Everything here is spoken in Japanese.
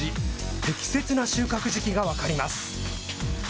適切な収穫時期が分かります。